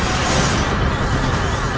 aku mau kesana